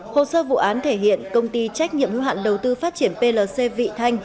hồ sơ vụ án thể hiện công ty trách nhiệm hưu hạn đầu tư phát triển plc vị thanh